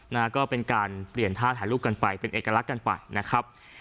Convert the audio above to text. นะฮะก็เป็นการเปลี่ยนท่าถ่ายรูปกันไปเป็นเอกลักษณ์กันไปนะครับ